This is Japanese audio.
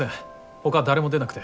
ほか誰も出なくて。